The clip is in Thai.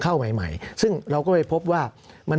สำหรับกำลังการผลิตหน้ากากอนามัย